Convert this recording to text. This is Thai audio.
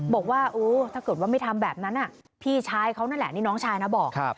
บอกว่าโอ้ถ้าเกิดว่าไม่ทำแบบนั้นพี่ชายเขานั่นแหละนี่น้องชายนะบอก